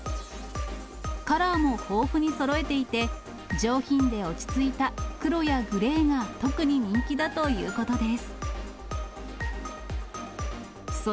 カラーも豊富にそろえていて、上品で落ち着いた黒やグレーが特に人気だということです。